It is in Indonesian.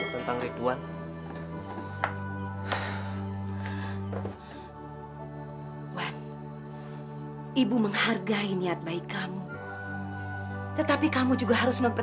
begitu tamunya mau pulang